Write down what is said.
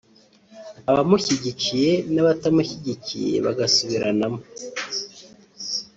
abamushyigikiye n’abatamushyigikiye bagasubiranamo